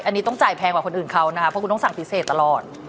อันนี้ต้องจ่ายแพงกว่าคนอื่นเขานะคะเพราะคุณต้องสั่งพิเศษตลอด